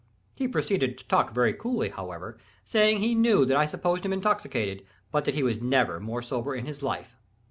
He proceeded to talk very coolly, however, saying he knew that I supposed him intoxicated, but that he was never more sober in his life.